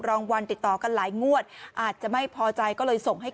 รางวัลติดต่อกันหลายงวดอาจจะไม่พอใจก็เลยส่งให้